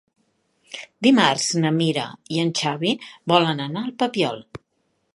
Dimarts na Mira i en Xavi volen anar al Papiol.